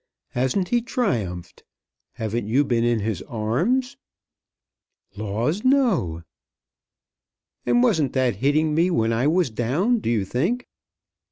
Hasn't he triumphed? Haven't you been in his arms?" "Laws; no." "And wasn't that hitting me when I was down, do you think?"